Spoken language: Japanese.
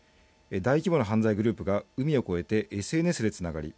大規模な犯罪グループが海を越えてＳＮＳでつながり